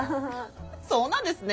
そうなんですね。